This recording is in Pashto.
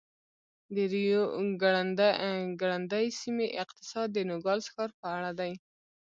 د ریو ګرنډي سیمې اقتصاد د نوګالس ښار په اړه دی.